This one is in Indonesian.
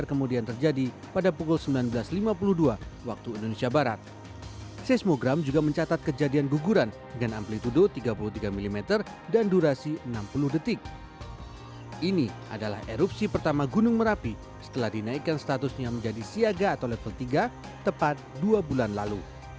ini adalah erupsi pertama gunung merapi setelah dinaikkan statusnya menjadi siaga atau level tiga tepat dua bulan lalu